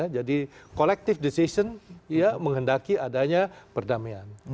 jadi collective decision menghendaki adanya perdamaian